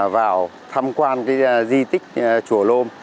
vào thăm quan di tích chùa nôm